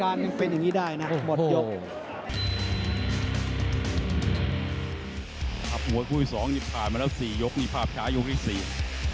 อัพเพลงปุ่มคุยที่สองนี่พานแล้ว๔ยุคนี่พาสพยาพยุทธี้อีก๔